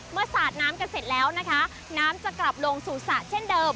สาดน้ำกันเสร็จแล้วนะคะน้ำจะกลับลงสู่สระเช่นเดิม